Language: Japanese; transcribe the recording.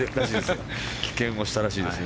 棄権をしたらしいです